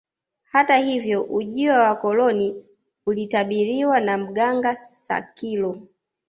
Hata hivyo ujio wa wakoloni ulitabiriwa na mganga Sakilo